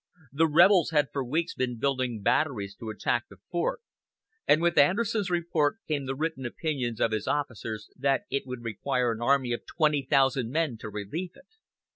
The rebels had for weeks been building batteries to attack the fort, and with Anderson's report came the written opinions of his officers that it would require an army of 20,000 men to relieve it.